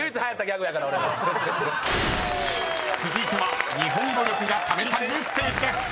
［続いては日本語力が試されるステージです］